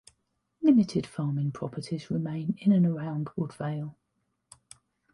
Limited farming properties remain in and around Woodvale.